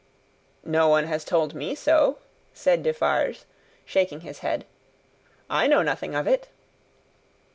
"No one has told me so," said Defarge, shaking his head. "I know nothing of it."